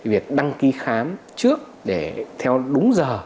việc đăng ký khám trước để theo đúng giờ